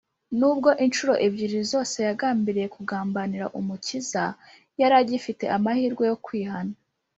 nubwo incuro ebyiri zose yagambiriye kugambanira umukiza, yari agifite amahirwe yo kwihana